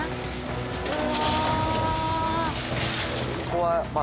うわ。